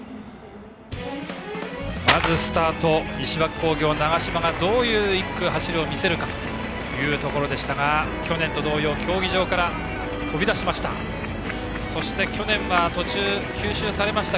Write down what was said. まずスタート、西脇工業の長嶋がどういう走りを見せるかでしたが去年と同様競技場から飛び出しました。